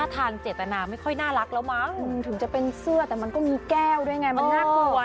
ปานอะไรอย่างเนี่ยของขวัญมาให้